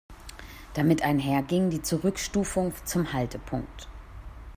Damit einher ging die Zurückstufung zum Haltepunkt.